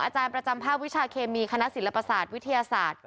อาจารย์ประจำภาควิชาเคมีคณะศิลปศาสตร์วิทยาศาสตร์